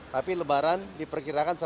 tapi lebaran diperkirakan tujuh puluh ribu